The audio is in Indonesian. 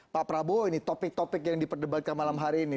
pak prabowo ini topik topik yang diperdebatkan malam hari ini